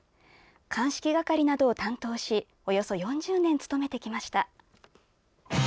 鑑識係などを担当しおよそ４０年勤めてきました。